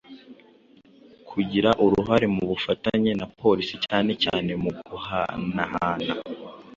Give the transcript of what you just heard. kugira uruhare mu bufatanye na Polisi cyane cyane mu guhanahana